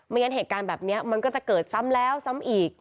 งั้นเหตุการณ์แบบนี้มันก็จะเกิดซ้ำแล้วซ้ำอีก